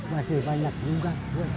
masih banyak juga